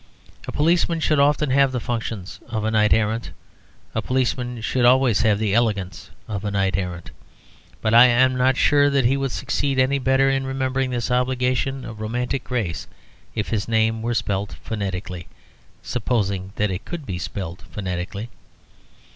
A policeman should often have the functions of a knight errant. A policeman should always have the elegance of a knight errant. But I am not sure that he would succeed any the better n remembering this obligation of romantic grace if his name were spelt phonetically, supposing that it could be spelt phonetically.